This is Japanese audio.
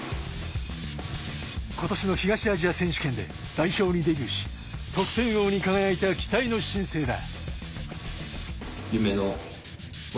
今年の東アジア選手権で代表にデビューし得点王に輝いた期待の新星だ。